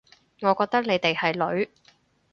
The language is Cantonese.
我覺得你哋係女